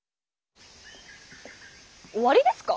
終わりですか？